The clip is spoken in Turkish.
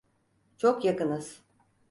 Çok yakınız.